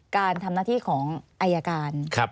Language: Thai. การทำหน้าที่ของอายการ